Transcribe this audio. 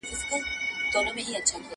کېدای سي انځورونه خراب وي،